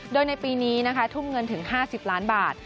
โดยในปีนี้นะคะทุ่มเงินถึง๕๐ล้านบาท